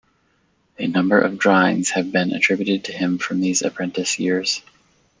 A number of drawings have been attributed to him from these apprentice years.